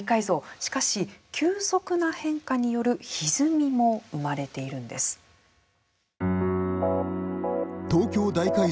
しかし、急速な変化によるひずみも生まれているんです。